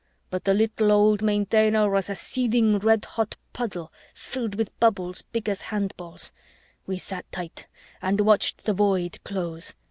But the little old Maintainer was a seething red hot puddle filled with bubbles big as handballs. We sat tight and watched the Void close.